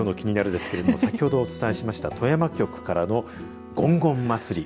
ですけど先ほどお伝えしました富山局からのごんごん祭り。